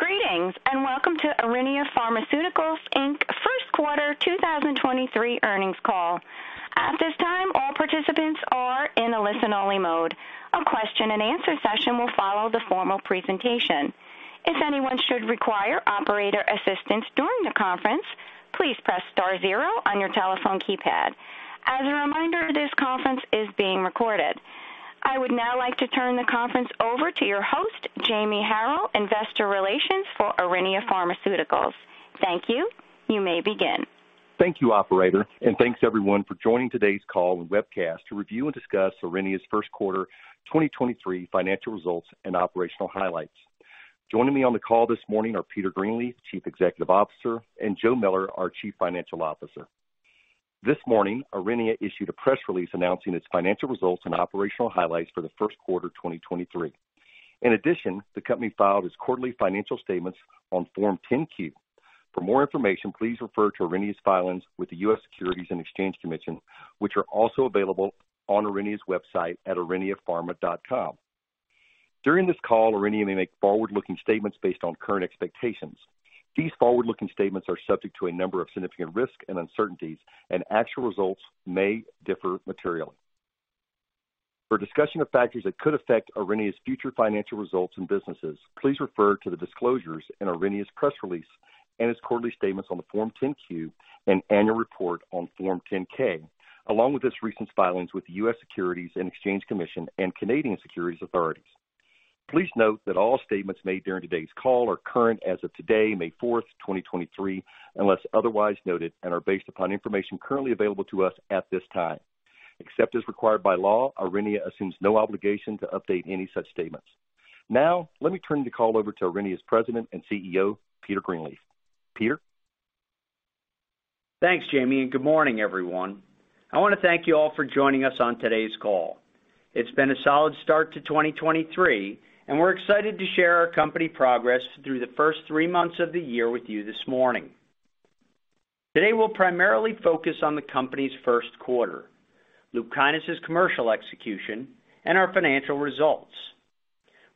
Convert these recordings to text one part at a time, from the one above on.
Greetings, welcome to Aurinia Pharmaceuticals Inc. First Quarter 2023 earnings call. At this time, all participants are in a listen-only mode. A question-and-answer session will follow the formal presentation. If anyone should require operator assistance during the conference, please press star zero on your telephone keypad. As a reminder, this conference is being recorded. I would now like to turn the conference over to your host, Jamie Harrell, Investor Relations for Aurinia Pharmaceuticals. Thank you. You may begin. Thank you, operator, thanks everyone for joining today's call and webcast to review and discuss Aurinia's first quarter 2023 financial results and operational highlights. Joining me on the call this morning are Peter Greenleaf, Chief Executive Officer, and Joe Miller, our Chief Financial Officer. This morning, Aurinia issued a press release announcing its financial results and operational highlights for the first quarter 2023. In addition, the company filed its quarterly financial statements on Form 10-Q. For more information, please refer to Aurinia's filings with the U.S. Securities and Exchange Commission, which are also available on Aurinia's website at auriniapharma.com. During this call, Aurinia may make forward-looking statements based on current expectations. These forward-looking statements are subject to a number of significant risks and uncertainties, and actual results may differ materially. For a discussion of factors that could affect Aurinia's future financial results and businesses, please refer to the disclosures in Aurinia's press release and its quarterly statements on the Form 10-Q and annual report on Form 10-K, along with its recent filings with the U.S. Securities and Exchange Commission and Canadian Securities Administrators. Please note that all statements made during today's call are current as of today, May 4, 2023, unless otherwise noted, and are based upon information currently available to us at this time. Except as required by law, Aurinia assumes no obligation to update any such statements. Now, let me turn the call over to Aurinia's President and CEO, Peter Greenleaf. Peter? Thanks, Jamie. Good morning, everyone. I wanna thank you all for joining us on today's call. It's been a solid start to 2023, and we're excited to share our company progress through the first three months of the year with you this morning. Today, we'll primarily focus on the company's first quarter, LUPKYNIS' commercial execution, and our financial results.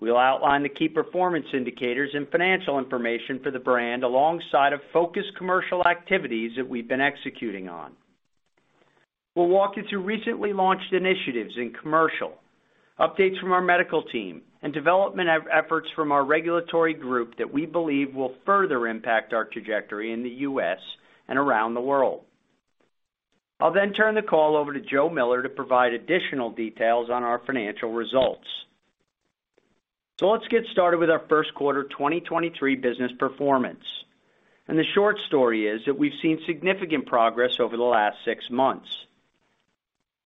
We'll outline the key performance indicators and financial information for the brand alongside of focused commercial activities that we've been executing on. We'll walk you through recently launched initiatives in commercial, updates from our medical team, and development efforts from our regulatory group that we believe will further impact our trajectory in the U.S. and around the world. I'll then turn the call over to Joe Miller to provide additional details on our financial results. Let's get started with our first quarter 2023 business performance. The short story is that we've seen significant progress over the last six months.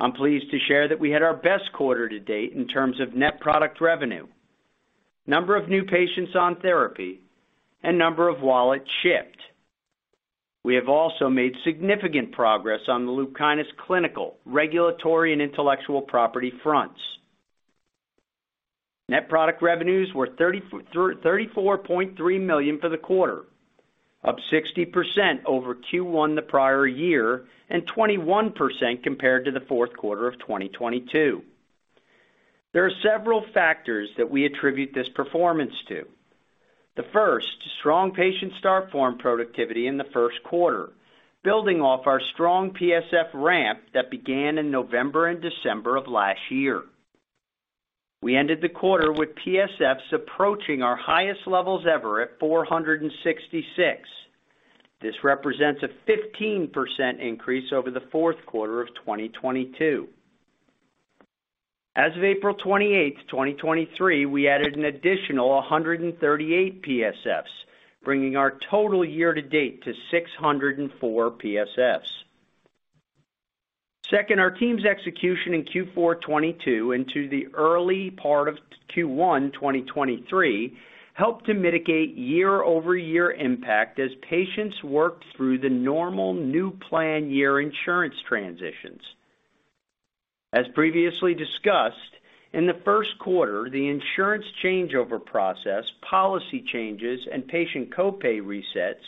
I'm pleased to share that we had our best quarter to date in terms of net product revenue, number of new patients on therapy, and number of wallets shipped. We have also made significant progress on the LUPKYNIS clinical, regulatory, and intellectual property fronts. Net product revenues were $34.3 million for the quarter, up 60% over Q1 the prior year and 21% compared to the fourth quarter of 2022. There are several factors that we attribute this performance to. The first, strong patient start form productivity in the first quarter, building off our strong PSF ramp that began in November and December of last year. We ended the quarter with PSFs approaching our highest levels ever at 466. This represents a 15% increase over the fourth quarter of 2022. As of April 28, 2023, we added an additional 138 PSFs, bringing our total year to date to 604 PSFs. Second, our team's execution in Q4 2022 into the early part of Q1 2023 helped to mitigate year-over-year impact as patients worked through the normal new plan year insurance transitions. As previously discussed, in the first quarter, the insurance changeover process, policy changes, and patient co-pay resets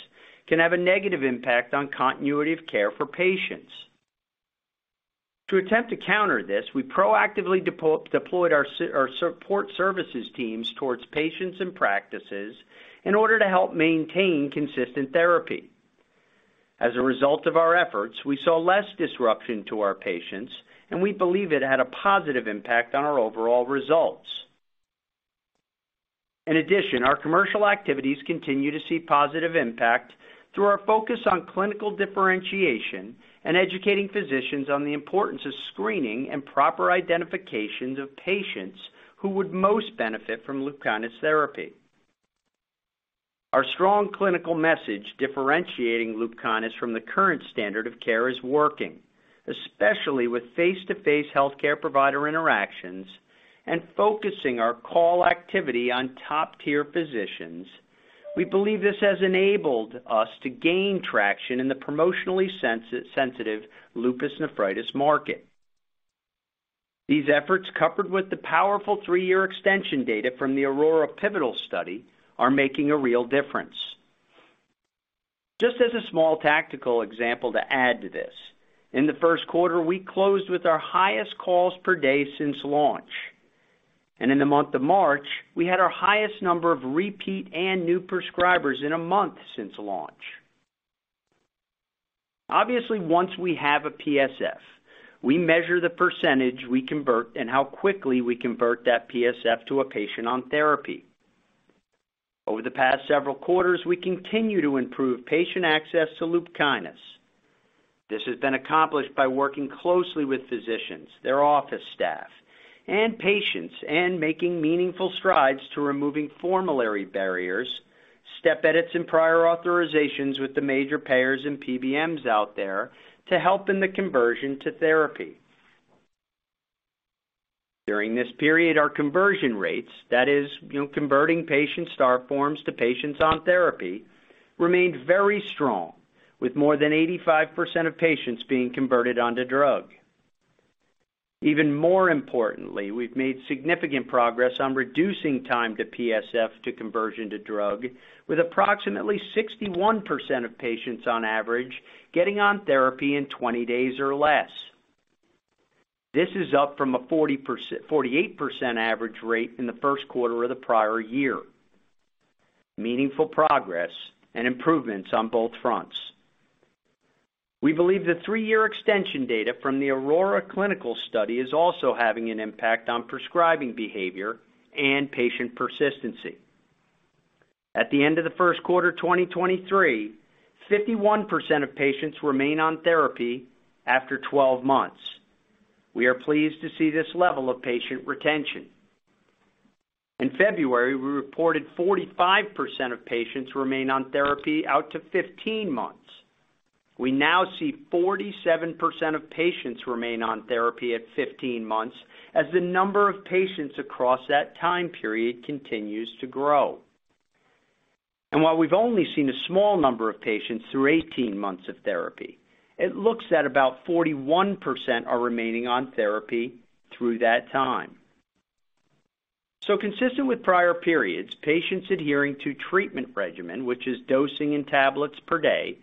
can have a negative impact on continuity of care for patients. To attempt to counter this, we proactively deployed our support services teams towards patients and practices in order to help maintain consistent therapy. As a result of our efforts, we saw less disruption to our patients. We believe it had a positive impact on our overall results. Our commercial activities continue to see positive impact through our focus on clinical differentiation and educating physicians on the importance of screening and proper identifications of patients who would most benefit from LUPKYNIS therapy. Our strong clinical message differentiating LUPKYNIS from the current standard of care is working, especially with face-to-face healthcare provider interactions and focusing our call activity on top-tier physicians. We believe this has enabled us to gain traction in the promotionally sensitive lupus nephritis market. These efforts, coupled with the powerful three-year extension data from the AURORA pivotal study, are making a real difference. Just as a small tactical example to add to this, in the first quarter, we closed with our highest calls per day since launch, and in the month of March, we had our highest number of repeat and new prescribers in a month since launch. Obviously, once we have a PSF, we measure the percentage we convert and how quickly we convert that PSF to a patient on therapy. Over the past several quarters, we continue to improve patient access to LUPKYNIS. This has been accomplished by working closely with physicians, their office staff, and patients, making meaningful strides to removing formulary barriers, step edits, and prior authorizations with the major payers and PBMs out there to help in the conversion to therapy. During this period, our conversion rates, that is, you know, converting patient start forms to patients on therapy, remained very strong, with more than 85% of patients being converted onto drug. Even more importantly, we've made significant progress on reducing time to PSF to conversion to drug, with approximately 61% of patients on average getting on therapy in 20 days or less. This is up from a 48% average rate in the first quarter of the prior year. Meaningful progress and improvements on both fronts. We believe the three-year extension data from the AURORA clinical study is also having an impact on prescribing behavior and patient persistency. At the end of the first quarter 2023, 51% of patients remain on therapy after 12 months. We are pleased to see this level of patient retention. In February, we reported 45% of patients remain on therapy out to 15 months. We now see 47% of patients remain on therapy at 15 months as the number of patients across that time period continues to grow. While we've only seen a small number of patients through 18 months of therapy, it looks that about 41% are remaining on therapy through that time. Consistent with prior periods, patients adhering to treatment regimen, which is dosing in tablets per day,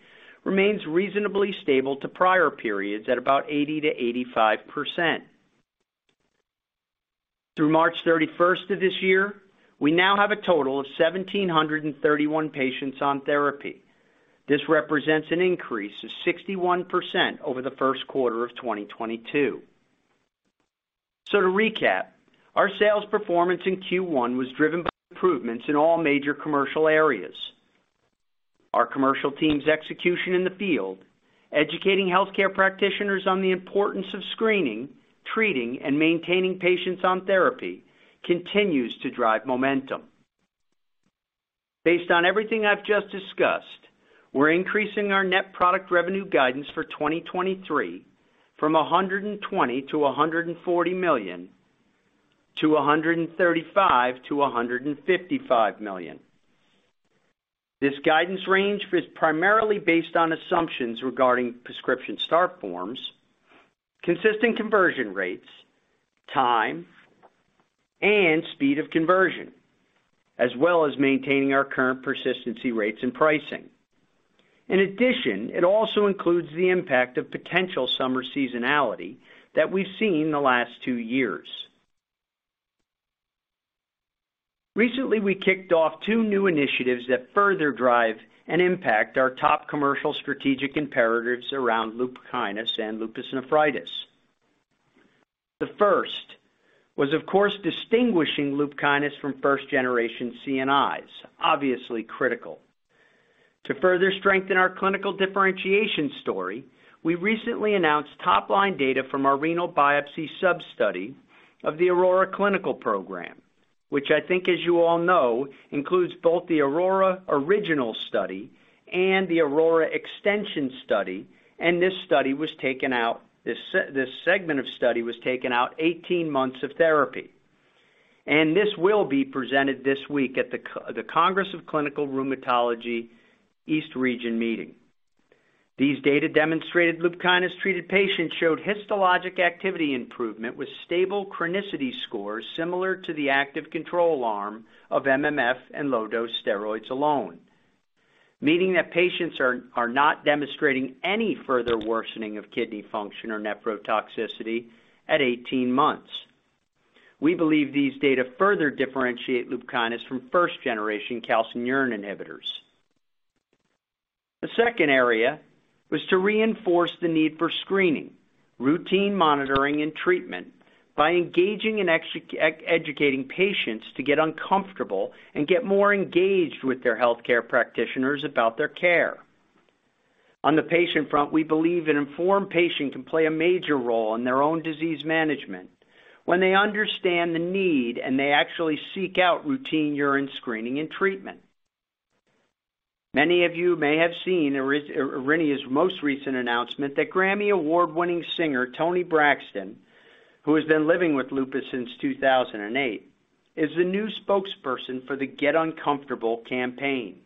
remains reasonably stable to prior periods at about 80%-85%. Through March 31st of this year, we now have a total of 1,731 patients on therapy. This represents an increase of 61% over the first quarter of 2022. To recap, our sales performance in Q1 was driven by improvements in all major commercial areas. Our commercial team's execution in the field, educating healthcare practitioners on the importance of screening, treating, and maintaining patients on therapy, continues to drive momentum. Based on everything I've just discussed, we're increasing our net product revenue guidance for 2023 from $120 million-$140 million to $135 million-$155 million. This guidance range is primarily based on assumptions regarding prescription start forms, consistent conversion rates, time and speed of conversion, as well as maintaining our current persistency rates and pricing. It also includes the impact of potential summer seasonality that we've seen in the last two years. Recently, we kicked off two new initiatives that further drive and impact our top commercial strategic imperatives around lupus nephritis. The first was, of course, distinguishing LUPKYNIS from first generation CNIs, obviously critical. To further strengthen our clinical differentiation story, we recently announced top-line data from our renal biopsy sub-study of the AURORA clinical program, which I think, as you all know, includes both the AURORA original study and the AURORA 2 extension study, and this segment of study was taken out 18 months of therapy. This will be presented this week at the Congress of Clinical Rheumatology East Region meeting. These data demonstrated LUPKYNIS treated patients showed histologic activity improvement with stable chronicity scores similar to the active control arm of MMF and low dose steroids alone, meaning that patients are not demonstrating any further worsening of kidney function or nephrotoxicity at 18 months. We believe these data further differentiate LUPKYNIS from first generation calcineurin inhibitors. The second area was to reinforce the need for screening, routine monitoring and treatment by engaging and educating patients to Get Uncomfortable and get more engaged with their healthcare practitioners about their care. On the patient front, we believe an informed patient can play a major role in their own disease management when they understand the need, and they actually seek out routine urine screening and treatment. Many of you may have seen Aurinia's most recent announcement that Grammy Award-winning singer Toni Braxton, who has been living with lupus since 2008, is the new spokesperson for the Get Uncomfortable campaign.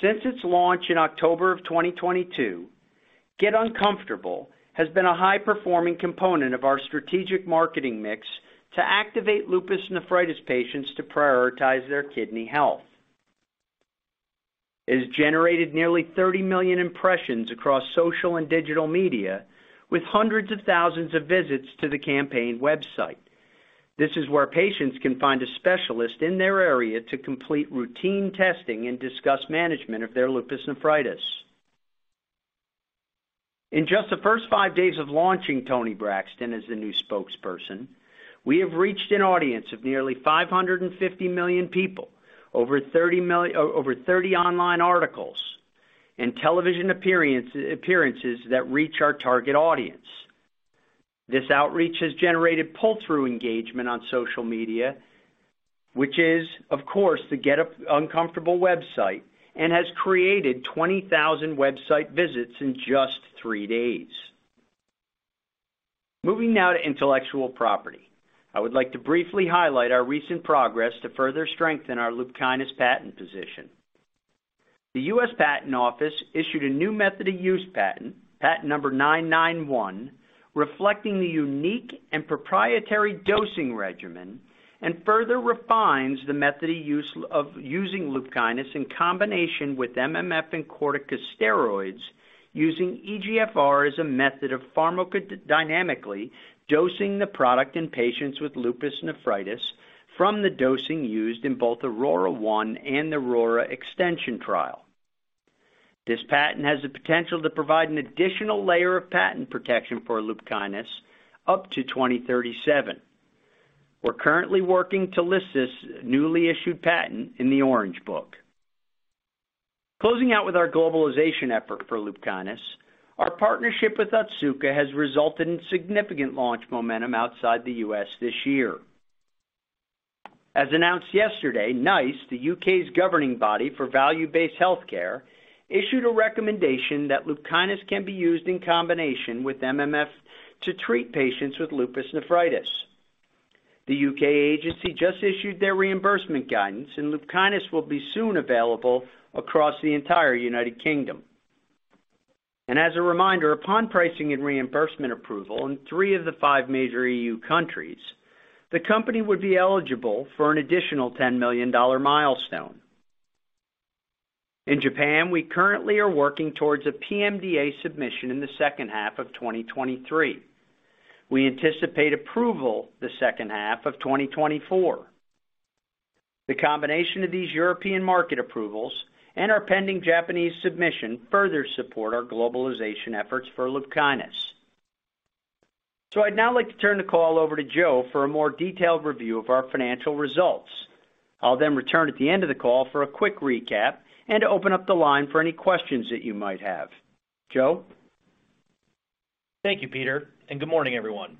Since its launch in October of 2022, Get Uncomfortable has been a high-performing component of our strategic marketing mix to activate lupus nephritis patients to prioritize their kidney health. It has generated nearly 30 million impressions across social and digital media, with hundreds of thousands of visits to the campaign website. This is where patients can find a specialist in their area to complete routine testing and discuss management of their lupus nephritis. In just the first five days of launching Toni Braxton as the new spokesperson, we have reached an audience of nearly 550 million people, over 30 online articles and television appearances that reach our target audience. This outreach has generated pull-through engagement on social media, which is, of course, the Get Uncomfortable website, and has created 20,000 website visits in just three days. Moving now to intellectual property. I would like to briefly highlight our recent progress to further strengthen our LUPKYNIS patent position. The U.S. Patent Office issued a new method of use patent number 991, reflecting the unique and proprietary dosing regimen. Further refines the method of using LUPKYNIS in combination with MMF and corticosteroids, using eGFR as a method of pharmacodynamically dosing the product in patients with lupus nephritis from the dosing used in both AURORA 1 and the AURORA 2 extension study. This patent has the potential to provide an additional layer of patent protection for LUPKYNIS up to 2037. We're currently working to list this newly issued patent in the Orange Book. Closing out with our globalization effort for LUPKYNIS, our partnership with Otsuka has resulted in significant launch momentum outside the U.S. this year. As announced yesterday, NICE, the U.K.'s governing body for value-based healthcare, issued a recommendation that LUPKYNIS can be used in combination with MMF to treat patients with lupus nephritis. The U.K. agency just issued their reimbursement guidance. LUPKYNIS will be soon available across the entire United Kingdom. As a reminder, upon pricing and reimbursement approval in three of the five major EU countries, the company would be eligible for an additional $10 million milestone. In Japan, we currently are working towards a PMDA submission in the second half of 2023. We anticipate approval the second half of 2024. The combination of these European market approvals and our pending Japanese submission further support our globalization efforts for LUPKYNIS. I'd now like to turn the call over to Joe for a more detailed review of our financial results. I'll then return at the end of the call for a quick recap and to open up the line for any questions that you might have. Joe? Thank you, Peter, good morning, everyone.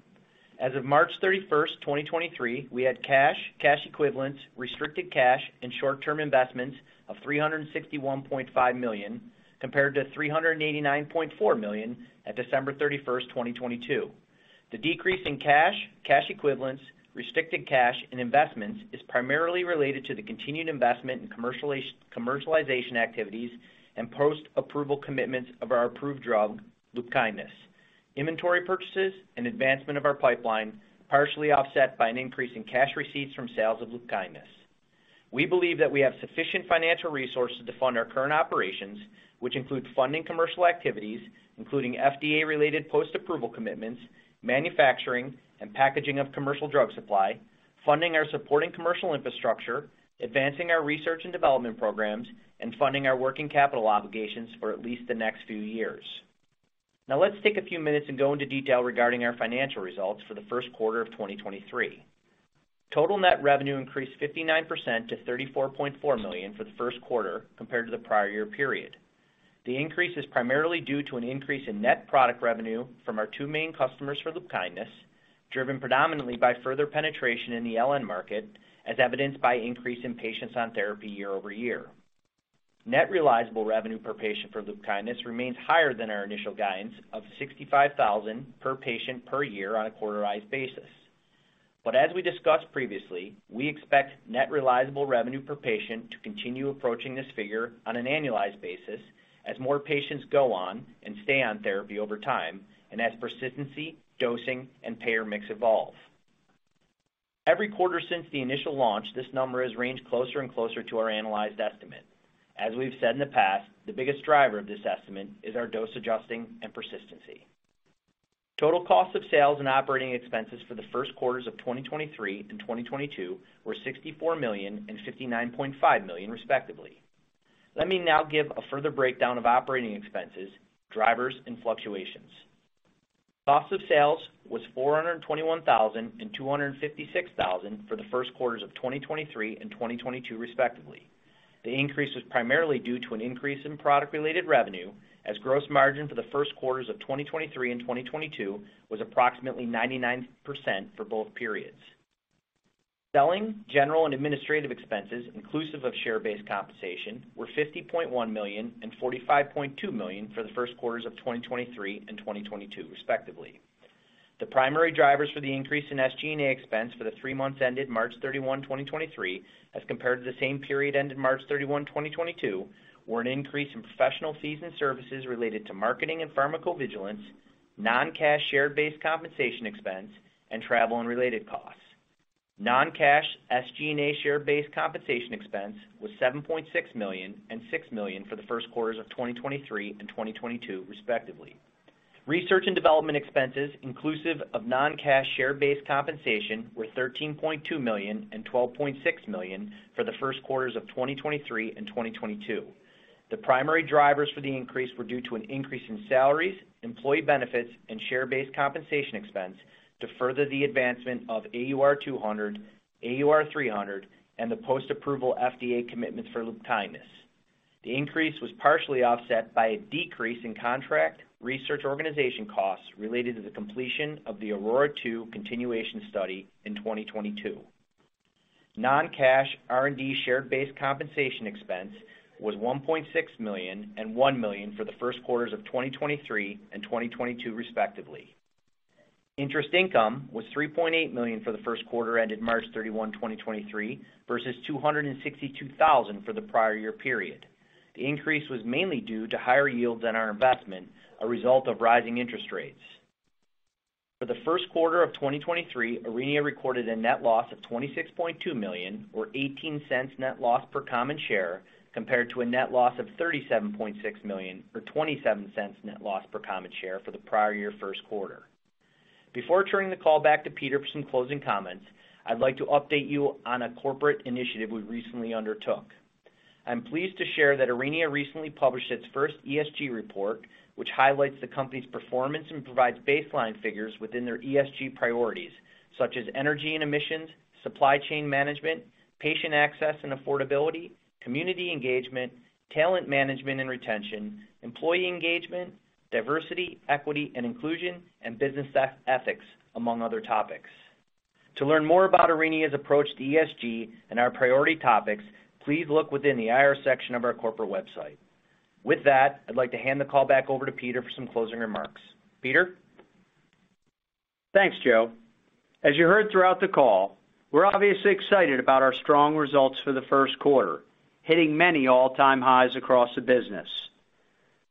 As of March 31, 2023, we had cash equivalents, restricted cash, and short-term investments of $361.5 million, compared to $389.4 million at December 31, 2022. The decrease in cash equivalents, restricted cash, and investments is primarily related to the continued investment in commercialization activities and post-approval commitments of our approved drug, LUPKYNIS. Inventory purchases and advancement of our pipeline partially offset by an increase in cash receipts from sales of LUPKYNIS. We believe that we have sufficient financial resources to fund our current operations, which include funding commercial activities, including FDA-related post-approval commitments, manufacturing and packaging of commercial drug supply, funding our supporting commercial infrastructure, advancing our research and development programs, and funding our working capital obligations for at least the next few years. Let's take a few minutes and go into detail regarding our financial results for the first quarter of 2023. Total net revenue increased 59% to $34.4 million for the first quarter compared to the prior year period. The increase is primarily due to an increase in net product revenue from our two main customers for LUPKYNIS, driven predominantly by further penetration in the LN market, as evidenced by increase in patients on therapy year-over-year. Net realizable revenue per patient for LUPKYNIS remains higher than our initial guidance of $65,000 per patient per year on a quarterized basis. As we discussed previously, we expect net realizable revenue per patient to continue approaching this figure on an annualized basis as more patients go on and stay on therapy over time and as persistency, dosing, and payer mix evolve. Every quarter since the initial launch, this number has ranged closer and closer to our annualized estimate. As we've said in the past, the biggest driver of this estimate is our dose adjusting and persistency. Total cost of sales and operating expenses for the first quarters of 2023 and 2022 were $64 million and $59.5 million, respectively. Let me now give a further breakdown of operating expenses, drivers, and fluctuations. Cost of sales was $421,000 and $256,000 for the first quarters of 2023 and 2022, respectively. The increase was primarily due to an increase in product-related revenue, as gross margin for the first quarters of 2023 and 2022 was approximately 99% for both periods. Selling, general, and administrative expenses, inclusive of share-based compensation, were $50.1 million and $45.2 million for the first quarters of 2023 and 2022, respectively. The primary drivers for the increase in SG&A expense for the three months ended March 31, 2023, as compared to the same period ended March 31, 2022, were an increase in professional fees and services related to marketing and pharmacovigilance, non-cash share-based compensation expense, and travel and related costs. Non-cash SG&A share-based compensation expense was $7.6 million and $6 million for the first quarters of 2023 and 2022 respectively. Research and development expenses inclusive of non-cash share-based compensation were $13.2 million and $12.6 million for the first quarters of 2023 and 2022. The primary drivers for the increase were due to an increase in salaries, employee benefits, and share-based compensation expense to further the advancement of AUR200, AUR300, and the post-approval FDA commitments for LUPKYNIS. The increase was partially offset by a decrease in contract research organization costs related to the completion of the AURORA 2 continuation study in 2022. Non-cash R&D share-based compensation expense was $1.6 million and $1 million for the first quarters of 2023 and 2022 respectively. Interest income was $3.8 million for the first quarter ended March 31, 2023 versus $262,000 for the prior year period. The increase was mainly due to higher yields on our investment, a result of rising interest rates. For the first quarter of 2023, Aurinia recorded a net loss of $26.2 million or $0.18 net loss per common share, compared to a net loss of $37.6 million or $0.27 net loss per common share for the prior year first quarter. Before turning the call back to Peter for some closing comments, I'd like to update you on a corporate initiative we recently undertook. I'm pleased to share that Aurinia recently published its first ESG report, which highlights the company's performance and provides baseline figures within their ESG priorities, such as energy and emissions, supply chain management, patient access and affordability, community engagement, talent management and retention, employee engagement, diversity, equity and inclusion, and business ethics, among other topics. To learn more about Aurinia's approach to ESG and our priority topics, please look within the IR section of our corporate website. With that, I'd like to hand the call back over to Peter for some closing remarks. Peter? Thanks, Joe. As you heard throughout the call, we're obviously excited about our strong results for the first quarter, hitting many all-time highs across the business.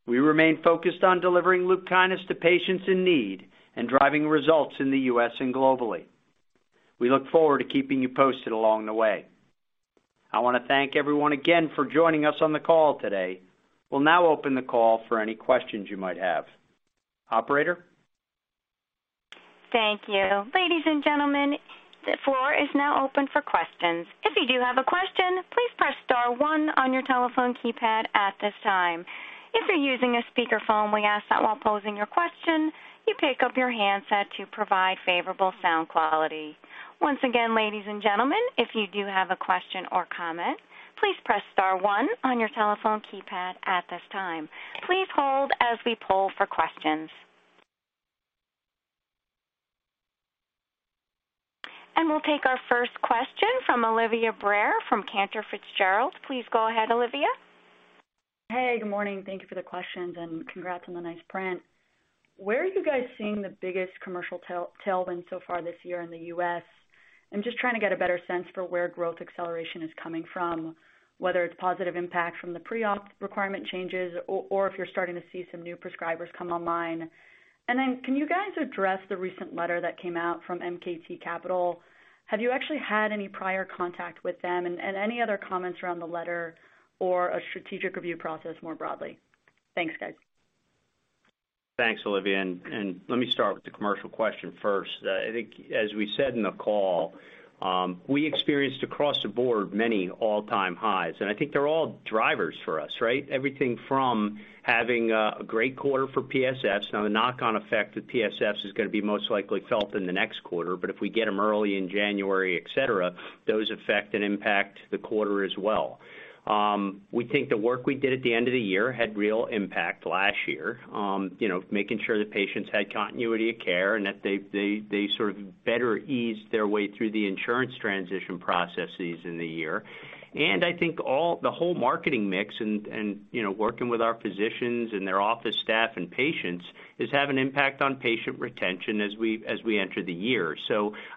We remain focused on delivering LUPKYNIS to patients in need and driving results in the U.S. and globally. We look forward to keeping you posted along the way. I wanna thank everyone again for joining us on the call today. We'll now open the call for any questions you might have. Operator? Thank you. Ladies and gentlemen, the floor is now open for questions. If you do have a question, please press star one on your telephone keypad at this time. If you're using a speakerphone, we ask that while posing your question, you pick up your handset to provide favorable sound quality. Once again, ladies and gentlemen, if you do have a question or comment, please press star one on your telephone keypad at this time. Please hold as we poll for questions. We'll take our first question from Olivia Brayer from Cantor Fitzgerald. Please go ahead, Olivia. Hey, good morning. Thank you for the questions, congrats on the nice print. Where are you guys seeing the biggest commercial tailwind so far this year in the U.S.? I'm just trying to get a better sense for where growth acceleration is coming from, whether it's positive impact from the pre-op requirement changes or if you're starting to see some new prescribers come online. Can you guys address the recent letter that came out from MKT Capital? Have you actually had any prior contact with them? Any other comments around the letter or a strategic review process more broadly? Thanks, guys. Thanks, Olivia. Let me start with the commercial question first. I think as we said in the call, we experienced across the board many all-time highs, and I think they're all drivers for us, right? Everything from having a great quarter for PSFs. Now, the knock-on effect of PSFs is gonna be most likely felt in the next quarter, but if we get them early in January, et cetera, those affect and impact the quarter as well. We think the work we did at the end of the year had real impact last year, you know, making sure that patients had continuity of care and that they sort of better eased their way through the insurance transition processes in the year. I think the whole marketing mix and, you know, working with our physicians and their office staff and patients is having an impact on patient retention as we enter the year.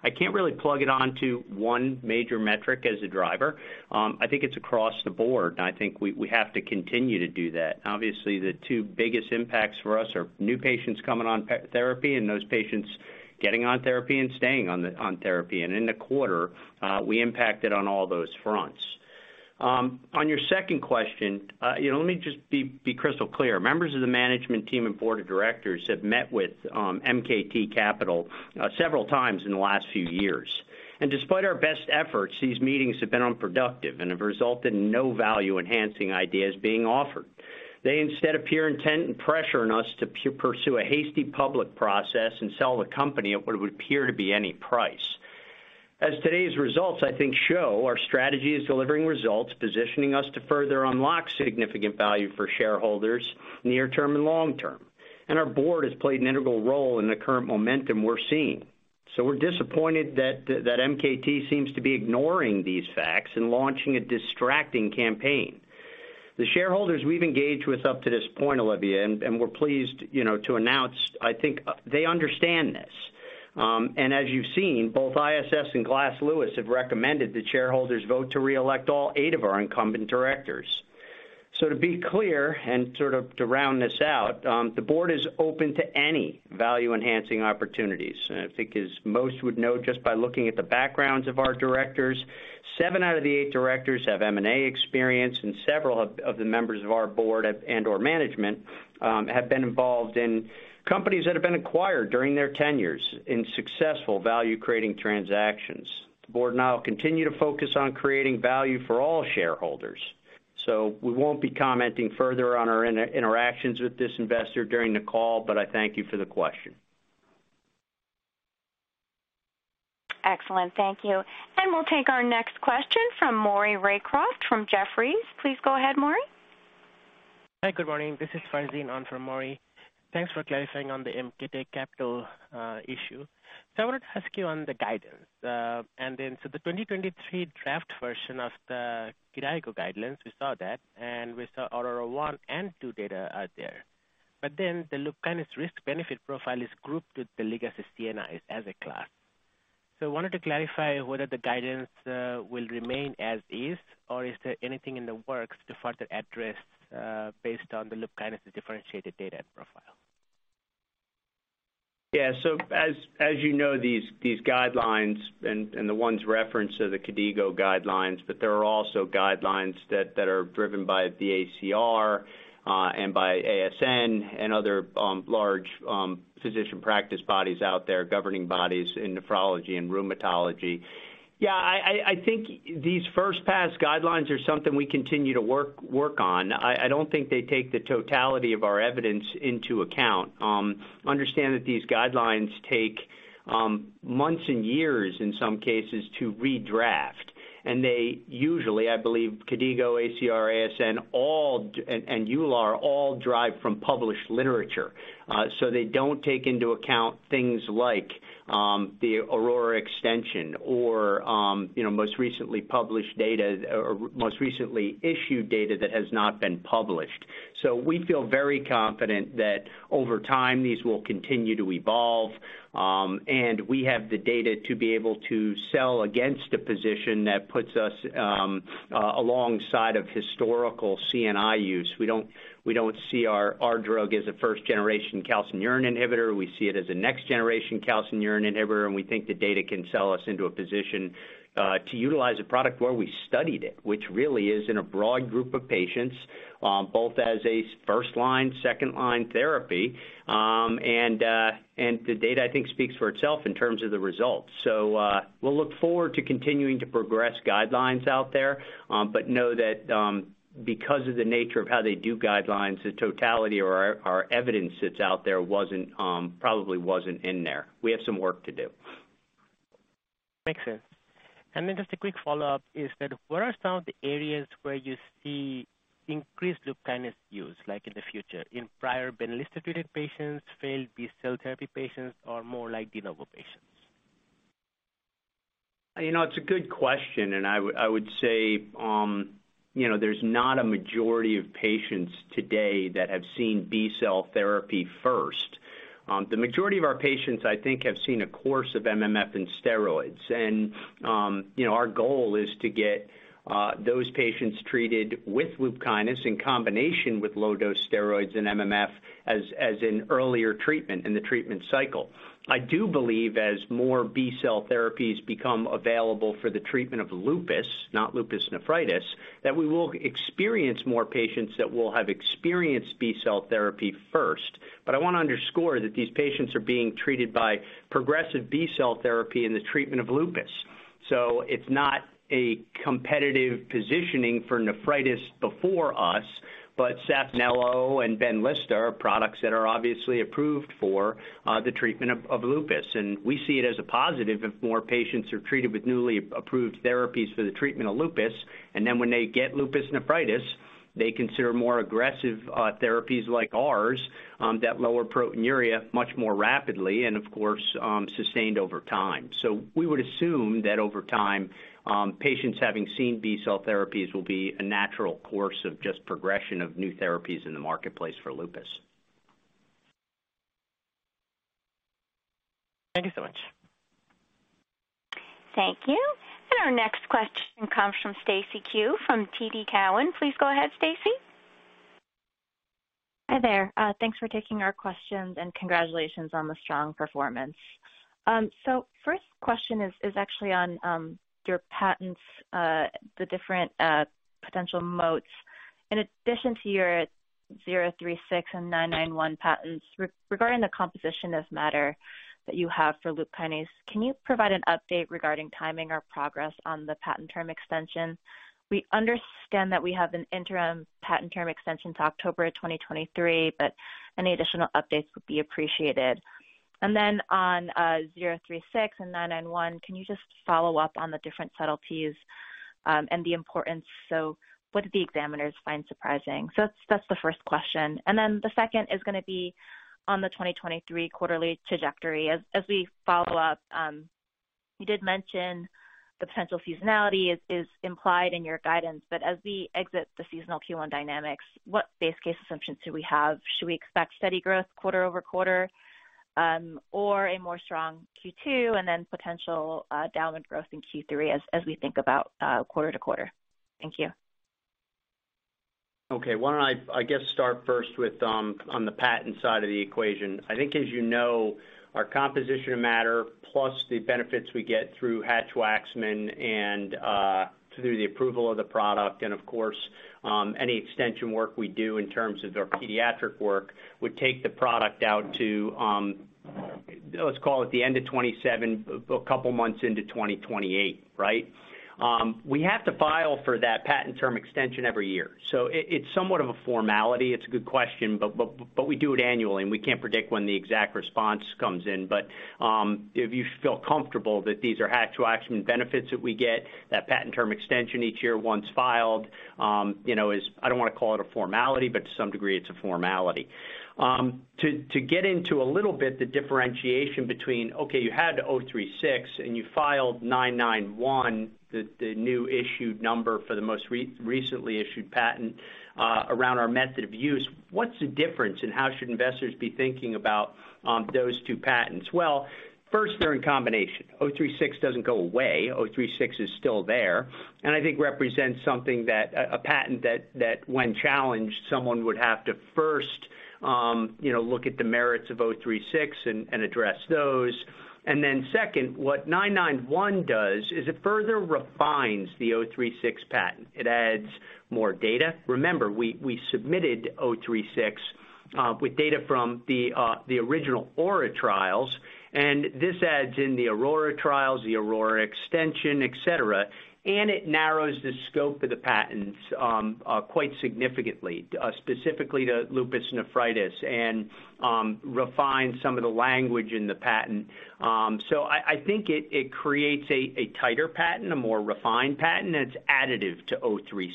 I can't really plug it on to one major metric as a driver. I think it's across the board, and I think we have to continue to do that. Obviously, the two biggest impacts for us are new patients coming on therapy and those patients getting on therapy and staying on therapy. In the quarter, we impacted on all those fronts. On your second question, you know, let me just be crystal clear. Members of the management team and board of directors have met with MKT Capital, several times in the last few years. Despite our best efforts, these meetings have been unproductive and have resulted in no value-enhancing ideas being offered. They instead appear intent and pressure on us to pursue a hasty public process and sell the company at what it would appear to be any price. As today's results, I think, show our strategy is delivering results, positioning us to further unlock significant value for shareholders near term and long term. Our board has played an integral role in the current momentum we're seeing. We're disappointed that MKT seems to be ignoring these facts and launching a distracting campaign. The shareholders we've engaged with up to this point, Olivia, and we're pleased, you know, to announce, I think they understand this. And as you've seen, both ISS and Glass Lewis have recommended the shareholders vote to reelect all eight of our incumbent directors. To be clear and sort of to round this out, the board is open to any value-enhancing opportunities. I think as most would know, just by looking at the backgrounds of our directors, seven out of the eight directors have M&A experience, and several of the members of our board have, and or management, have been involved in companies that have been acquired during their tenures in successful value creating transactions. The board and I will continue to focus on creating value for all shareholders, so we won't be commenting further on our inter-interactions with this investor during the call, but I thank you for the question. Excellent. Thank you. We'll take our next question from Maury Raycroft from Jefferies. Please go ahead, Maury. Hi. Good morning. This is Farzin on from Maury. Thanks for clarifying on the MKT Capital issue. I wanted to ask you on the guidance. The 2023 draft version of the KDIGO guidelines, we saw that, and we saw AURORA 1 and AURORA 2 data out there. The LUPKYNIS risk benefit profile is grouped with the legacy CNIs as a class. I wanted to clarify whether the guidance will remain as is, or is there anything in the works to further address based on the LUPKYNIS differentiated data profile? As you know, these guidelines and the ones referenced are the KDIGO guidelines, but there are also guidelines that are driven by the ACR and by ASN and other large physician practice bodies out there, governing bodies in nephrology and rheumatology. I think these first pass guidelines are something we continue to work on. I don't think they take the totality of our evidence into account. Understand that these guidelines take months and years in some cases to redraft. They usually, I believe KDIGO, ACR, ASN and EULAR all drive from published literature. They don't take into account things like the AURORA extension or, you know, most recently published data or most recently issued data that has not been published. We feel very confident that over time, these will continue to evolve, and we have the data to be able to sell against a position that puts us alongside of historical CNI use. We don't see our drug as a first generation calcineurin inhibitor. We see it as a next generation calcineurin inhibitor, and we think the data can sell us into a position to utilize a product where we studied it, which really is in a broad group of patients, both as a first-line, second-line therapy. The data, I think, speaks for itself in terms of the results. We'll look forward to continuing to progress guidelines out there, but know that, because of the nature of how they do guidelines, the totality or our evidence that's out there wasn't, probably wasn't in there. We have some work to do. Makes sense. Just a quick follow-up is that what are some of the areas where you see increased LUPKYNIS use, like in the future, in prior BENLYSTA treated patients, failed B-cell therapy patients, or more like de novo patients? You know, it's a good question, I would say, you know, there's not a majority of patients today that have seen B-cell therapy first. The majority of our patients, I think, have seen a course of MMF and steroids. You know, our goal is to get those patients treated with LUPKYNIS in combination with low dose steroids and MMF as an earlier treatment in the treatment cycle. I do believe as more B-cell therapies become available for the treatment of lupus, not lupus nephritis, that we will experience more patients that will have experienced B-cell therapy first. I wanna underscore that these patients are being treated by progressive B-cell therapy in the treatment of lupus. It's not a competitive positioning for nephritis before us, but SAPHNELO and BENLYSTA are products that are obviously approved for the treatment of lupus. We see it as a positive if more patients are treated with newly approved therapies for the treatment of lupus, and then when they get lupus nephritis, they consider more aggressive therapies like ours, that lower proteinuria much more rapidly and of course, sustained over time. We would assume that over time, patients having seen B-cell therapies will be a natural course of just progression of new therapies in the marketplace for lupus. Thank you so much. Thank you. Our next question comes from Stacy Ku from TD Cowen. Please go ahead, Stacy. Hi there. Thanks for taking our questions, and congratulations on the strong performance. First question is actually on your patents, the different potential moats. In addition to your '036 and '991 patents, regarding the composition of matter that you have for LUPKYNIS, can you provide an update regarding timing or progress on the patent term extension? We understand that we have an interim patent term extension to October 2023, but any additional updates would be appreciated. On '036 and '991, can you just follow up on the different subtleties and the importance? What did the examiners find surprising? That's the first question. The second is gonna be on the 2023 quarterly trajectory. As we follow up, You did mention the potential seasonality is implied in your guidance. As we exit the seasonal Q1 dynamics, what base case assumptions do we have? Should we expect steady growth quarter-over-quarter, or a more strong Q2 and then potential, downward growth in Q3 as we think about, quarter-to-quarter? Thank you. Okay. Why don't I guess, start first with on the patent side of the equation. I think as you know, our composition of matter, plus the benefits we get through Hatch-Waxman and through the approval of the product and of course, any extension work we do in terms of their pediatric work, would take the product out to, let's call it the end of 2027, a couple of months into 2028, right? We have to file for that patent term extension every year. It's somewhat of a formality. It's a good question, but we do it annually, and we can't predict when the exact response comes in. If you feel comfortable that these are Hatch-Waxman benefits that we get, that patent term extension each year once filed, you know, is, I don't wanna call it a formality, but to some degree, it's a formality. To get into a little bit the differentiation between, okay, you had the '036 and you filed '991, the new issued number for the most recently issued patent around our method of use. What's the difference and how should investors be thinking about those two patents? First, they're in combination. '036 doesn't go away. '036 is still there, and I think represents something that a patent that when challenged, someone would have to first, you know, look at the merits of '036 and address those. Second, what '991 does is it further refines the '036 patent. It adds more data. Remember, we submitted '036 with data from the original AURA trials, and this adds in the aurora trials, the aurora extension, et cetera, and it narrows the scope of the patents quite significantly, specifically to lupus nephritis and refines some of the language in the patent. I think it creates a tighter patent, a more refined patent, and it's additive to '036.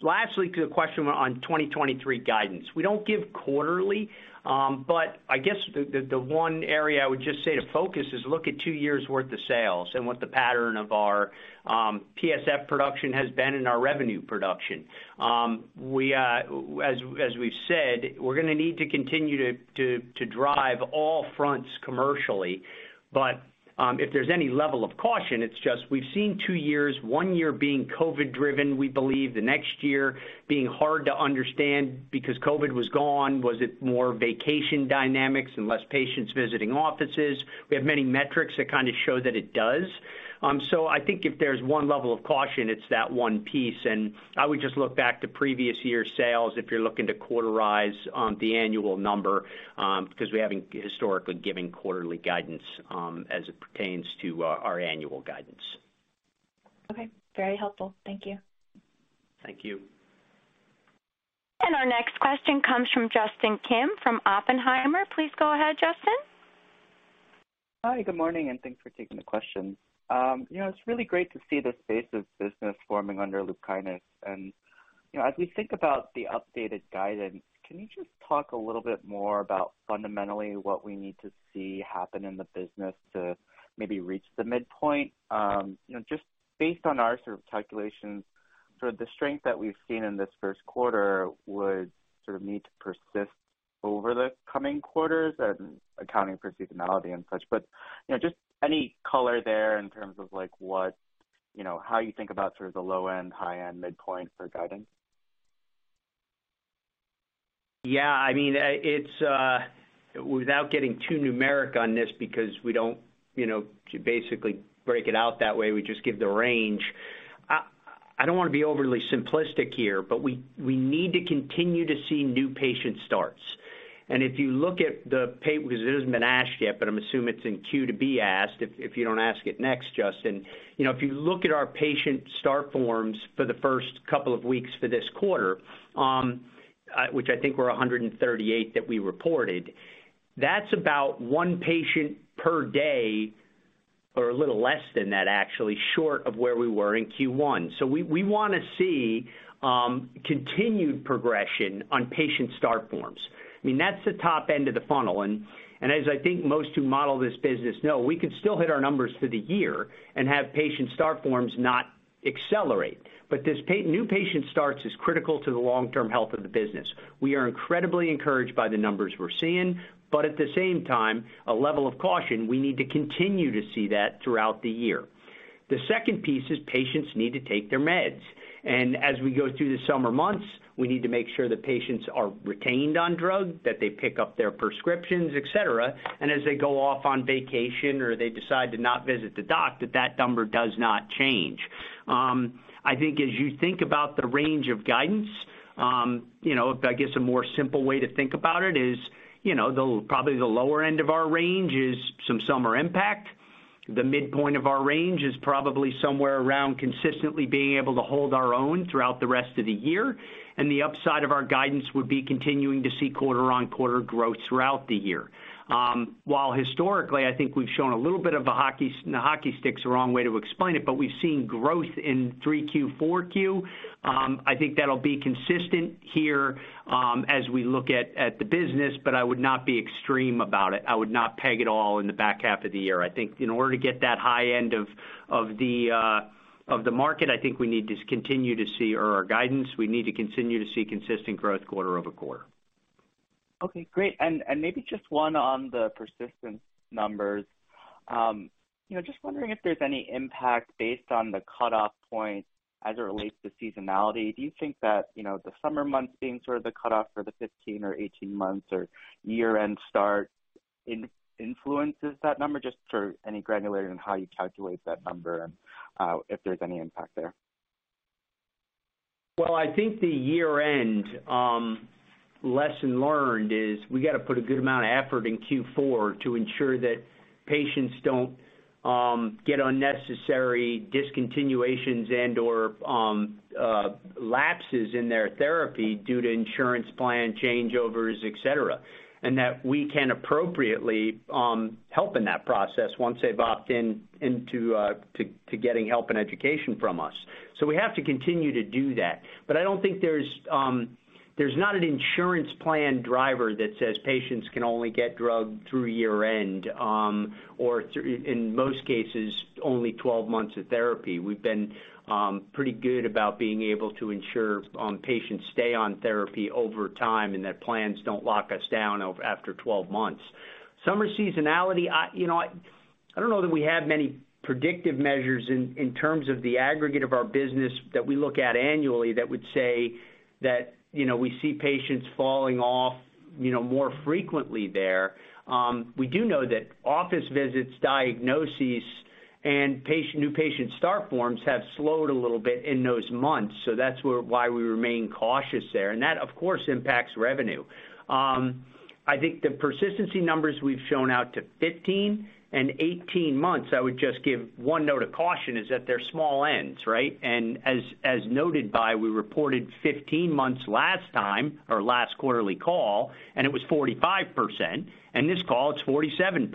Lastly, to the question on 2023 guidance. We don't give quarterly, I guess the one area I would just say to focus is look at two years worth of sales and what the pattern of our PSF production has been in our revenue production. We, as we've said, we're gonna need to continue to drive all fronts commercially. If there's any level of caution, it's just we've seen two years, one year being COVID-driven, we believe the next year being hard to understand because COVID was gone. Was it more vacation dynamics and less patients visiting offices? We have many metrics that show that it does. I think if there's one level of caution, it's that one piece. I would just look back to previous year sales if you're looking to quarterize, the annual number, 'cause we haven't historically given quarterly guidance, as it pertains to, our annual guidance. Okay. Very helpful. Thank you. Thank you. Our next question comes from Justin Kim from Oppenheimer. Please go ahead, Justin. Hi, good morning, and thanks for taking the question. You know, it's really great to see this phase of business forming under LUPKYNIS. You know, as we think about the updated guidance, can you just talk a little bit more about fundamentally what we need to see happen in the business to maybe reach the midpoint? You know, just based on our sort of calculations, sort of the strength that we've seen in this first quarter would sort of need to persist over the coming quarters and accounting for seasonality and such. You know, just any color there in terms of what, you know, how you think about sort of the low-end, high-end, midpoint for guidance. Yeah, I mean, it's without getting too numeric on this because we don't, you know, basically break it out that way, we just give the range. I don't wanna be overly simplistic here, but we need to continue to see new patient starts. If you look at the 'cause it hasn't been asked yet, but I'm assuming it's in queue to be asked, if you don't ask it next, Justin. You know, if you look at our patient start forms for the first couple of weeks for this quarter, which I think were 138 that we reported, that's about one patient per day or a little less than that, actually, short of where we were in Q1. We wanna see continued progression on patient start forms. I mean, that's the top end of the funnel. As I think most who model this business know, we can still hit our numbers for the year and have patient start forms not accelerate. This new patient starts is critical to the long-term health of the business. We are incredibly encouraged by the numbers we're seeing, but at the same time, a level of caution, we need to continue to see that throughout the year. The second piece is patients need to take their meds. As we go through the summer months, we need to make sure the patients are retained on drug, that they pick up their prescriptions, et cetera. As they go off on vacation or they decide to not visit the doc, that that number does not change. I think as you think about the range of guidance, you know, I guess a more simple way to think about it is, you know, probably the lower end of our range is some summer impact. The midpoint of our range is probably somewhere around consistently being able to hold our own throughout the rest of the year, and the upside of our guidance would be continuing to see quarter-on-quarter growth throughout the year. While historically, I think we've shown a little bit of a hockey stick's the wrong way to explain it, but we've seen growth in 3Q, 4Q. I think that'll be consistent here, as we look at the business, but I would not be extreme about it. I would not peg it all in the back half of the year. I think in order to get that high end of the market, I think we need to continue to see consistent growth quarter-over-quarter. Okay, great. Maybe just one on the persistence numbers. You know, just wondering if there's any impact based on the cutoff point as it relates to seasonality? Do you think that, you know, the summer months being sort of the cutoff for the 15 or 18 months or year-end start influences that number? Just for any granularity on how you calculate that number and if there's any impact there? I think the year-end lesson learned is we got to put a good amount of effort in Q4 to ensure that patients don't get unnecessary discontinuations and/or lapses in their therapy due to insurance plan changeovers, et cetera. That we can appropriately help in that process once they've opt in into getting help and education from us. We have to continue to do that. I don't think there's there's not an insurance plan driver that says patients can only get drug through year-end or in most cases, only 12 months of therapy. We've been pretty good about being able to ensure patients stay on therapy over time, and that plans don't lock us down after 12 months. Summer seasonality, you know, I don't know that we have many predictive measures in terms of the aggregate of our business that we look at annually that would say that, you know, we see patients falling off, you know, more frequently there. We do know that office visits, diagnoses, and patient, new patient start forms have slowed a little bit in those months, so that's why we remain cautious there, and that, of course, impacts revenue. I think the persistency numbers we've shown out to 15 and 18 months, I would just give one note of caution, is that they're small ends, right? As noted by, we reported 15 months last time or last quarterly call, and it was 45%, and this call it's 47%.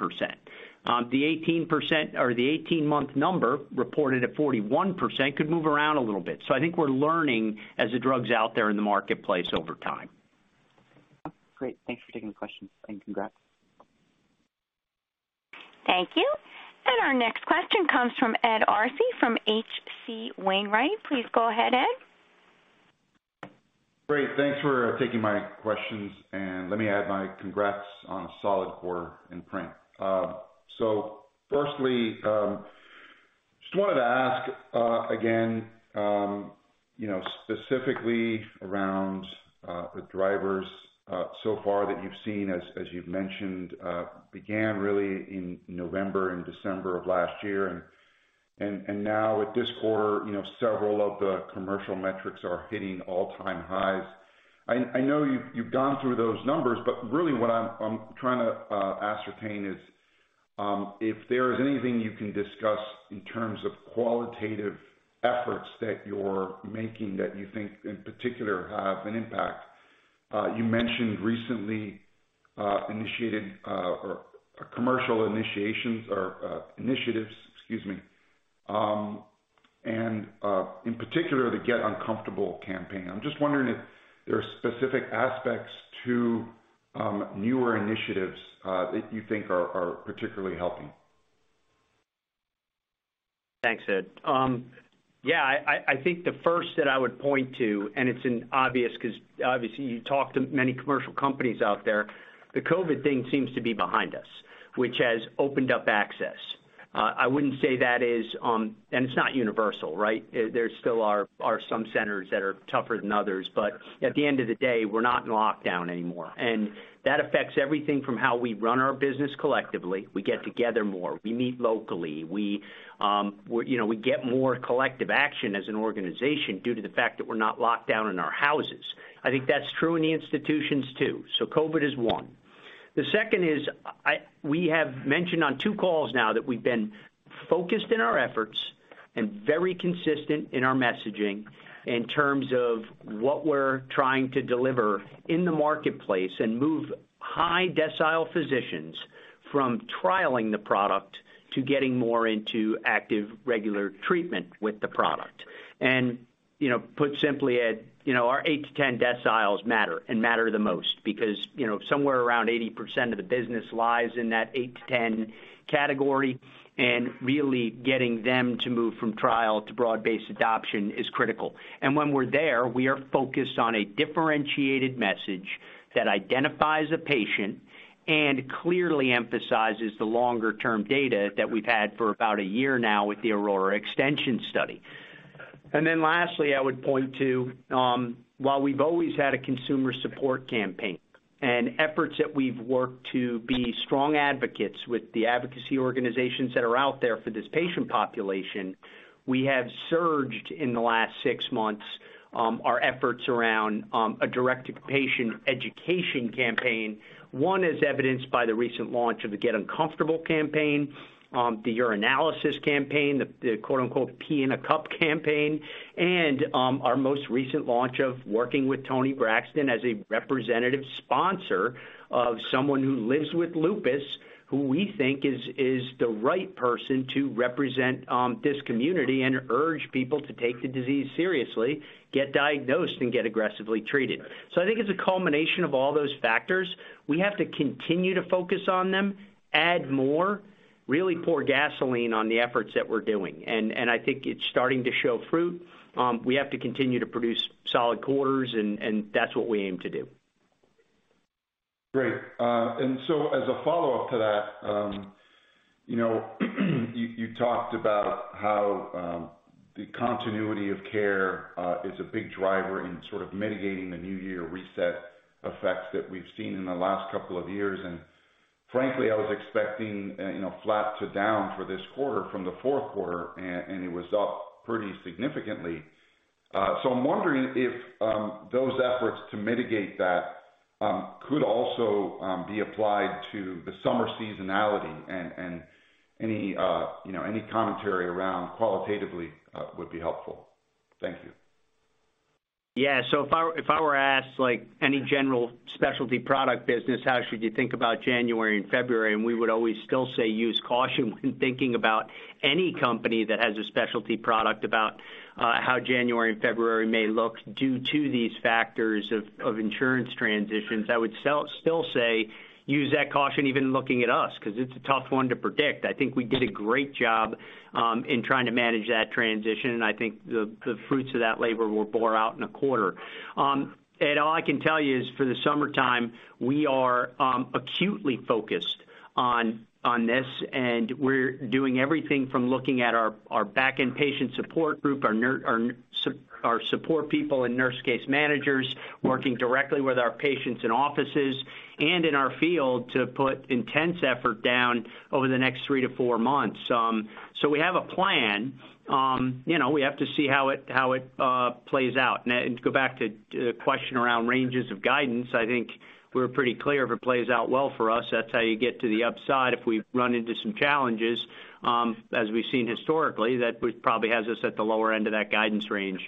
The 18% or the 18-month number reported at 41% could move around a little bit. I think we're learning as the drug's out there in the marketplace over time. Great. Thanks for taking the question and congrats. Thank you. Our next question comes from Ed Arce from H.C. Wainwright. Please go ahead, Ed. Great. Thanks for taking my questions, and let me add my congrats on a solid quarter in print. Firstly, just wanted to ask again, you know, specifically around the drivers so far that you've seen, as you've mentioned, began really in November and December of last year. Now with this quarter, you know, several of the commercial metrics are hitting all-time highs. I know you've gone through those numbers, but really what I'm trying to ascertain is if there is anything you can discuss in terms of qualitative efforts that you're making that you think in particular have an impact. You mentioned recently initiated or commercial initiations or initiatives, excuse me, and in particular, the Get Uncomfortable campaign. I'm just wondering if there are specific aspects to, newer initiatives, that you think are particularly helping. Thanks, Ed. Yeah, I think the first that I would point to, it's an obvious because obviously you talk to many commercial companies out there, the COVID thing seems to be behind us, which has opened up access. I wouldn't say that is, it's not universal, right? There still are some centers that are tougher than others. At the end of the day, we're not in lockdown anymore. That affects everything from how we run our business collectively. We get together more, we meet locally. We, you know, we get more collective action as an organization due to the fact that we're not locked down in our houses. I think that's true in the institutions too. COVID is one. The second is, we have mentioned on two calls now that we've been focused in our efforts and very consistent in our messaging in terms of what we're trying to deliver in the marketplace and move high decile physicians from trialing the product to getting more into active, regular treatment with the product. You know, put simply, Ed, you know, our eight to 10 deciles matter and matter the most because, you know, somewhere around 80% of the business lies in that eight to 10 category, and really getting them to move from trial to broad-based adoption is critical. When we're there, we are focused on a differentiated message that identifies a patient and clearly emphasizes the longer-term data that we've had for about a year now with the AURORA Extension study. Lastly, I would point to, while we've always had a consumer support campaign and efforts that we've worked to be strong advocates with the advocacy organizations that are out there for this patient population, we have surged in the last six months, our efforts around a direct-to-patient education campaign. One is evidenced by the recent launch of the Get Uncomfortable campaign, the Urinalysis campaign, the quote-unquote Pee in a Cup campaign, and our most recent launch of working with Toni Braxton as a representative sponsor of someone who lives with lupus, who we think is the right person to represent this community and urge people to take the disease seriously, get diagnosed, and get aggressively treated. I think it's a culmination of all those factors. We have to continue to focus on them, add more, really pour gasoline on the efforts that we're doing. I think it's starting to show fruit. We have to continue to produce solid quarters and that's what we aim to do. Great. As a follow-up to that, you know, you talked about how the continuity of care is a big driver in sort of mitigating the new year reset effects that we've seen in the last two years. Frankly, I was expecting, you know, flat to down for this quarter from the 4th quarter, and it was up pretty significantly. I'm wondering if those efforts to mitigate that could also be applied to the summer seasonality and any, you know, any commentary around qualitatively would be helpful. Thank you. Yeah. If I, if I were asked, like any general specialty product business, how should you think about January and February? We would always still say use caution when thinking about any company that has a specialty product about how January and February may look due to these factors of insurance transitions. I would still say use that caution even looking at us, 'cause it's a tough one to predict. I think we did a great job in trying to manage that transition, and I think the fruits of that labor will bore out in a quarter. Ed, all I can tell you is for the summertime, we are acutely focused on this, and we're doing everything from looking at our backend patient support group, our support people and nurse case managers working directly with our patients in offices and in our field to put intense effort down over the next three to four months. We have a plan. You know, we have to see how it plays out. To go back to the question around ranges of guidance, I think we're pretty clear. If it plays out well for us, that's how you get to the upside. If we run into some challenges, as we've seen historically, that would probably has us at the lower end of that guidance range.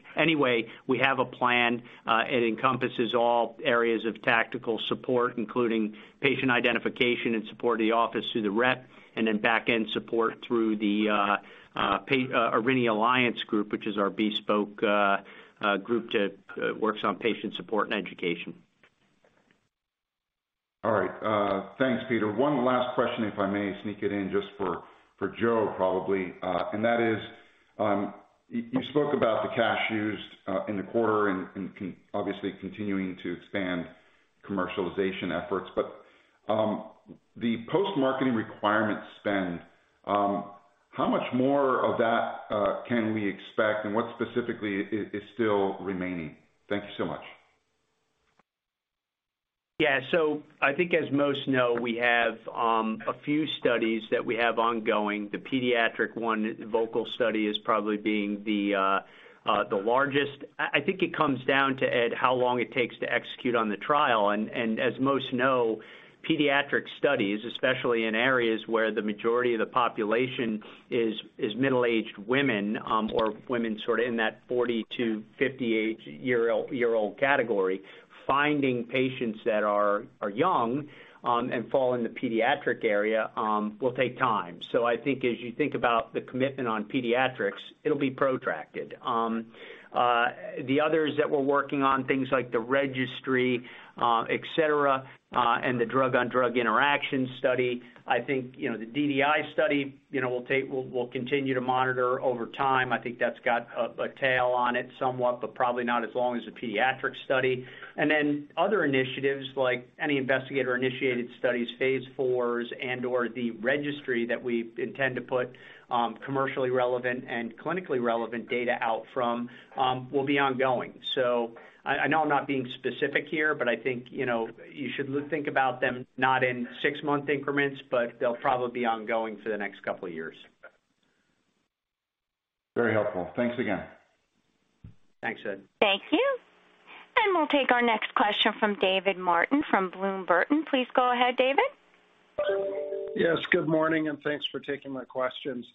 We have a plan. It encompasses all areas of tactical support, including patient identification and support of the office through the rep, and then backend support through the Aurinia Alliance Group, which is our bespoke group that works on patient support and education. All right. Thanks, Peter. One last question if I may sneak it in just for Joe probably. That is, you spoke about the cash used in the quarter and obviously continuing to expand commercialization efforts. The post-marketing requirement spend, how much more of that can we expect, and what specifically is still remaining? Thank you so much. I think as most know, we have a few studies that we have ongoing. The pediatric one, the VOCAL study is probably being the largest. I think it comes down to, Ed, how long it takes to execute on the trial. As most know, pediatric studies, especially in areas where the majority of the population is middle-aged women, or women sort of in that 40-58 year old category, finding patients that are young and fall in the pediatric area will take time. I think as you think about the commitment on pediatrics, it'll be protracted. The others that we're working on, things like the registry, et cetera, and the drug-on-drug interaction study, I think, you know, the DDI study, you know, we'll continue to monitor over time. I think that's got a tail on it somewhat, but probably not as long as the pediatric study. Other initiatives like any investigator-initiated studies, phase fours, and/or the registry that we intend to put commercially relevant and clinically relevant data out from, will be ongoing. I know I'm not being specific here, but I think, you know, you should think about them not in six-month increments, but they'll probably be ongoing for the next couple of years. Very helpful. Thanks again. Thanks, Ed. Thank you. We'll take our next question from David Martin from Bloom Burton. Please go ahead, David. Yes, good morning, and thanks for taking my questions.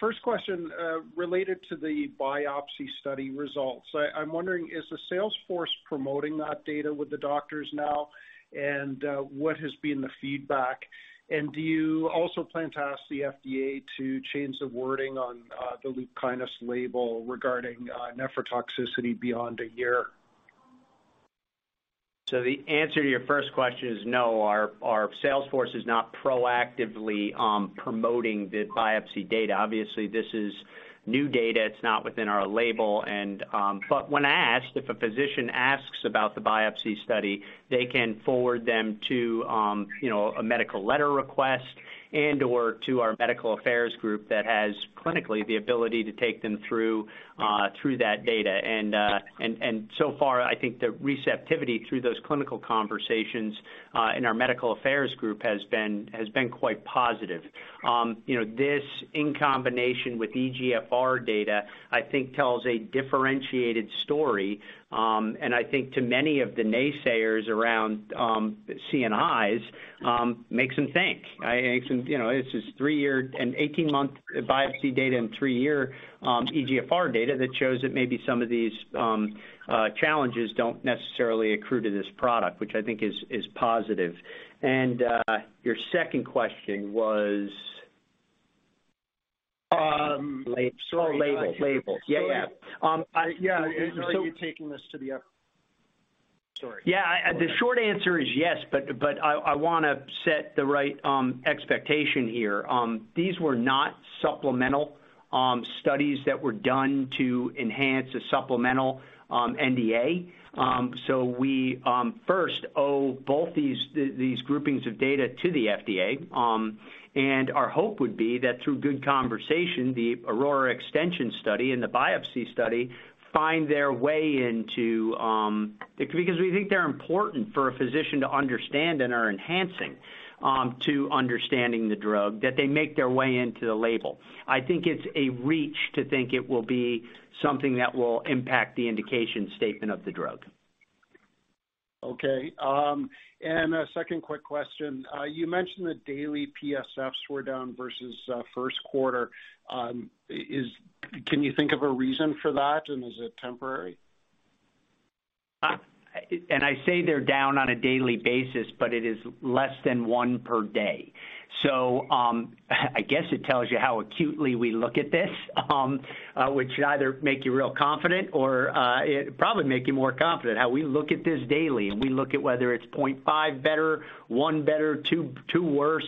First question, related to the biopsy study results. I'm wondering, is the sales force promoting that data with the doctors now, and what has been the feedback? Do you also plan to ask the FDA to change the wording on the LUPKYNIS label regarding nephrotoxicity beyond a year? The answer to your first question is no. Our sales force is not proactively promoting the biopsy data. Obviously, this is new data. It's not within our label. When asked, if a physician asks about the biopsy study, they can forward them to, you know, a medical letter request and/or to our medical affairs group that has clinically the ability to take them through that data. So far, I think the receptivity through those clinical conversations in our medical affairs group has been quite positive. You know, this, in combination with EGFR data, I think tells a differentiated story. I think to many of the naysayers around CNIs makes them think. I think some... You know, this is three-year and 18-month biopsy data and three-year eGFR data that shows that maybe some of these challenges don't necessarily accrue to this product, which I think is positive. Your second question was? Sorry, labels. Yeah. Are you taking this to the? Sorry. Yeah, the short answer is yes, but I wanna set the right expectation here. These were not supplemental studies that were done to enhance a supplemental NDA. We first owe both these groupings of data to the FDA. Our hope would be that through good conversation, the AURORA Extension study and the biopsy study find their way into... Because we think they're important for a physician to understand and are enhancing to understanding the drug, that they make their way into the label. I think it's a reach to think it will be something that will impact the indication statement of the drug. Okay. A second quick question. You mentioned the daily PSFs were down versus first quarter. Can you think of a reason for that? Is it temporary? I say they're down on a daily basis, but it is less than one per day. I guess it tells you how acutely we look at this, which should either make you real confident or it probably make you more confident how we look at this daily, and we look at whether it's 0.5 better, one better, two worse.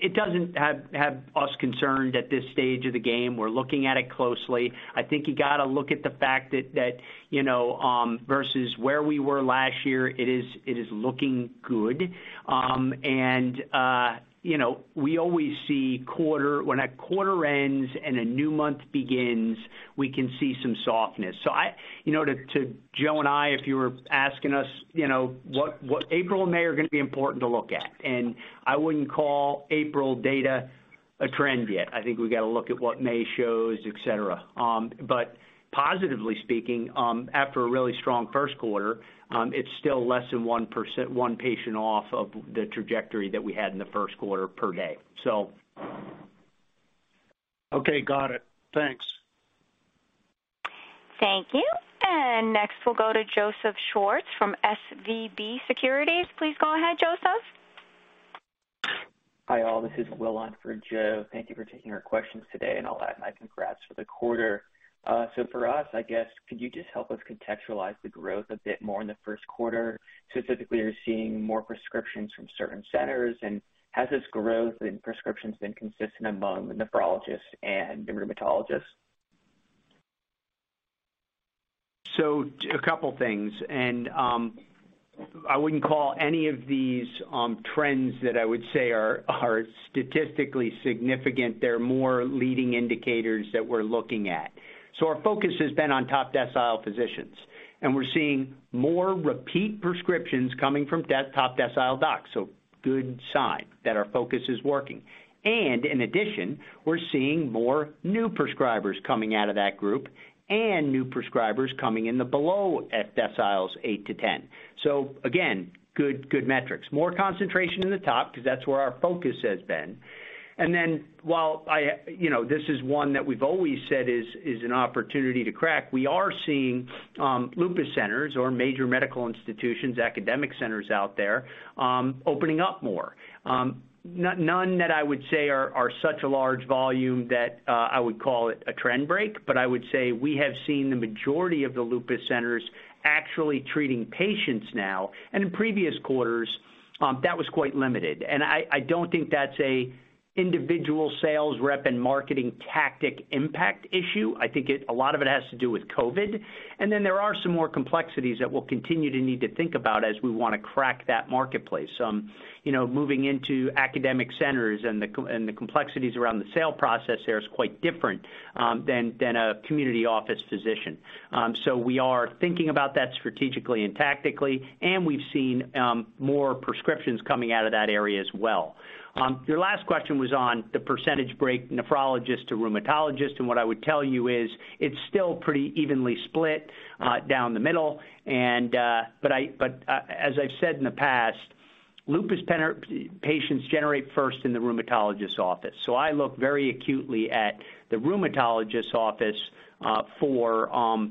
It doesn't have us concerned at this stage of the game. We're looking at it closely. I think you gotta look at the fact that, you know, versus where we were last year, it is looking good. You know, we always see when a quarter ends and a new month begins, we can see some softness. You know, to Joe and I, if you were asking us, you know, what April and May are gonna be important to look at. I wouldn't call April data a trend yet. I think we gotta look at what May shows, et cetera. Positively speaking, after a really strong first quarter, it's still less than 1%, 1 patient off of the trajectory that we had in the first quarter per day, so. Okay, got it. Thanks. Thank you. Next we'll go to Joseph Schwartz from SVB Securities. Please go ahead, Joseph. Hi, all. This is Will on for Joe. Thank you for taking our questions today, and I'll add my congrats for the quarter. For us, I guess, could you just help us contextualize the growth a bit more in the first quarter? Specifically, are you seeing more prescriptions from certain centers? Has this growth in prescriptions been consistent among the nephrologists and the rheumatologists? A couple things. I wouldn't call any of these trends that I would say are statistically significant. They're more leading indicators that we're looking at. Our focus has been on top decile physicians, and we're seeing more repeat prescriptions coming from top decile docs, so good sign that our focus is working. In addition, we're seeing more new prescribers coming out of that group and new prescribers coming in the below deciles eight to 10. Again, good metrics. More concentration in the top because that's where our focus has been. While I, you know, this is one that we've always said is an opportunity to crack, we are seeing lupus centers or major medical institutions, academic centers out there opening up more. None that I would say are such a large volume that I would call it a trend break, but I would say we have seen the majority of the lupus centers actually treating patients now. In previous quarters, that was quite limited. I don't think that's a individual sales rep and marketing tactic impact issue. I think a lot of it has to do with COVID. There are some more complexities that we'll continue to need to think about as we wanna crack that marketplace. You know, moving into academic centers and the complexities around the sale process there is quite different than a community office physician. We are thinking about that strategically and tactically, and we've seen more prescriptions coming out of that area as well. Your last question was on the percentage break, nephrologist to rheumatologist. What I would tell you is it's still pretty evenly split, down the middle. But as I've said in the past, lupus patients generate first in the rheumatologist's office. I look very acutely at the rheumatologist's office for,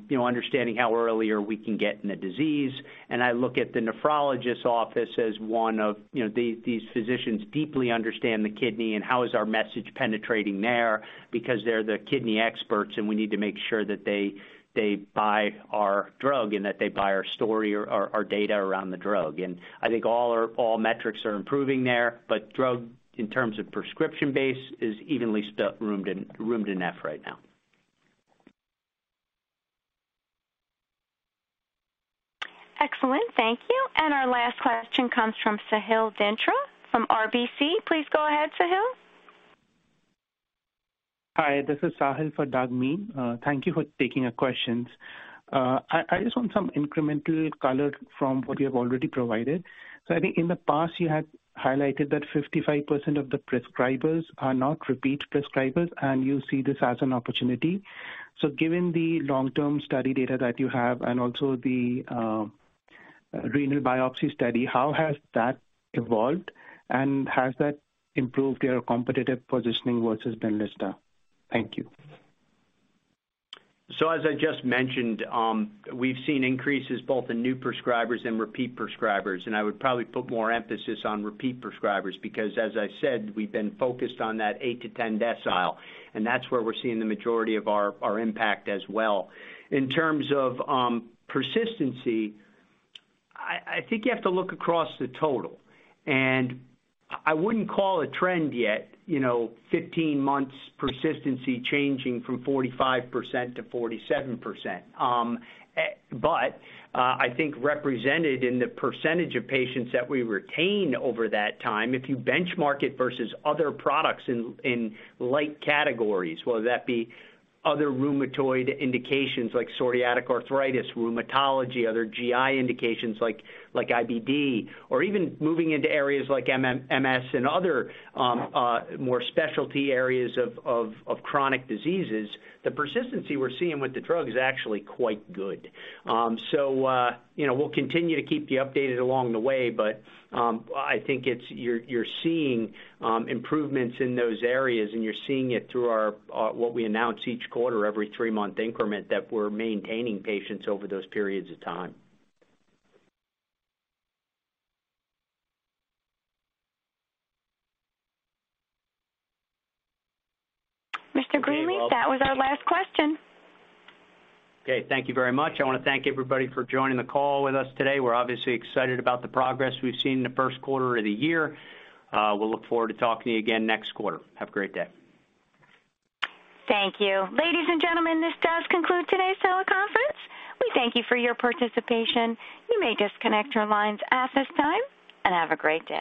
you know, understanding how earlier we can get in a disease. I look at the nephrologist's office as one of, you know, these physicians deeply understand the kidney and how is our message penetrating there because they're the kidney experts, and we need to make sure that they buy our drug and that they buy our story or our data around the drug. I think all metrics are improving there, but drug in terms of prescription base is evenly split rheum and neph right now. Excellent. Thank you. Our last question comes from Sahil Dholaria from RBC. Please go ahead, Sahil. Hi, this is Sahil for Douglas Miehm. Thank you for taking our questions. I just want some incremental color from what you have already provided. I think in the past you had highlighted that 55% of the prescribers are not repeat prescribers, and you see this as an opportunity. Given the long-term study data that you have and also the renal biopsy study, how has that evolved, and has that improved your competitive positioning versus BENLYSTA? Thank you. As I just mentioned, we've seen increases both in new prescribers and repeat prescribers, and I would probably put more emphasis on repeat prescribers because, as I said, we've been focused on that eight to 10 decile, and that's where we're seeing the majority of our impact as well. In terms of persistency, I think you have to look across the total. I wouldn't call a trend yet, you know, 15 months persistency changing from 45% to 47%. I think represented in the percentage of patients that we retain over that time, if you benchmark it versus other products in like categories, whether that be other rheumatoid indications like psoriatic arthritis, rheumatology, other GI indications like IBD or even moving into areas like MS and other more specialty areas of chronic diseases, the persistency we're seeing with the drug is actually quite good. We'll continue to keep you updated along the way, but I think it's you're seeing improvements in those areas, and you're seeing it through our what we announce each quarter, every three-month increment, that we're maintaining patients over those periods of time. Mr. Greenleaf, that was our last question. Okay. Thank you very much. I wanna thank everybody for joining the call with us today. We're obviously excited about the progress we've seen in the first quarter of the year. We'll look forward to talking to you again next quarter. Have a great day. Thank you. Ladies and gentlemen, this does conclude today's teleconference. We thank you for your participation. You may disconnect your lines at this time, and have a great day.